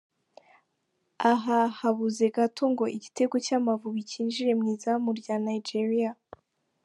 Aha habuze gato ngo igitego cy’Amavubi cyinjire mu izamu rya Nigeria.